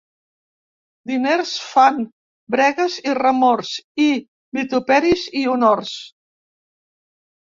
Diners fan bregues i remors, i vituperis i honors.